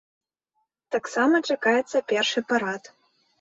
Таксама чакаецца пешы парад.